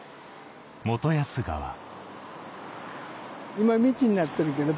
今道になってるけど。